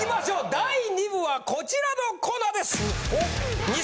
第２部はこちらのコーナーです！